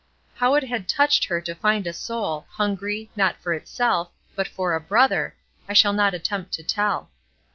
How it had touched her to find a soul, hungry, not for itself, but for a brother, I shall not attempt to tell.